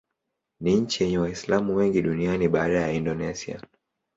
Ni nchi yenye Waislamu wengi duniani baada ya Indonesia.